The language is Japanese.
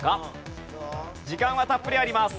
時間はたっぷりあります。